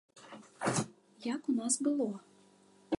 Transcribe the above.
Як у нас было?